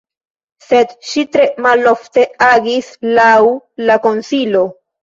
Sed ŝi tre malofte agis laŭ la konsilo!